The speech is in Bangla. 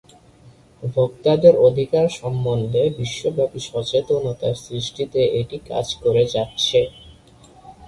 ভোক্তাদের অধিকার সম্বন্ধে বিশ্বব্যাপী সচেতনতা সৃষ্টিতে এটি কাজ করে যাচ্ছে।